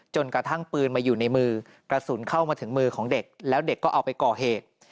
จนกระทั่งปืนมาอยู่ในมือกระสุนเข้ามาถึงมือของเด็กแล้วเด็กก็เอาไปก่อเหตุ